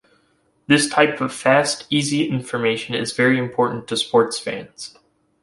This type of fast, easy information is very important to sports fans.